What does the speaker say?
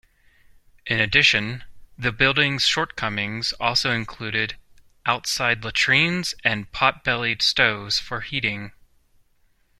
In addition, the buildings' shortcomings also included outside latrines and potbellied stoves for heating.